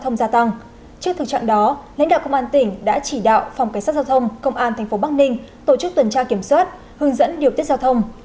nhân đạo công an tỉnh đã chỉ đạo phòng cảnh sát giao thông công an tp bắc ninh tổ chức tuần tra kiểm soát hướng dẫn điều tiết giao thông